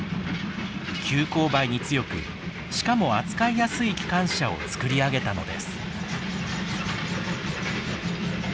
急勾配に強くしかも扱いやすい機関車を作り上げたのです。